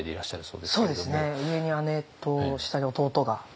そうですね上に姉と下に弟が。